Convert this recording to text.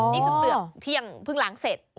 นี่คือเปลือกที่ยังพึ่งหลังเสร็จ